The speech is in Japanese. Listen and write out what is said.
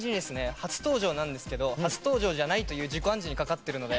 初登場なんですけど初登場じゃないという自己暗示にかかってるので。